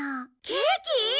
ケーキ！？